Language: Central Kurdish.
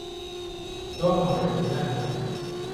تۆم ئەمەی کرد، نەک من.